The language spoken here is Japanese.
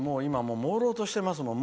もうろうとしてますもん。